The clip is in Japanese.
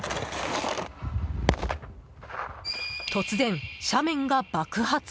突然、斜面が爆発！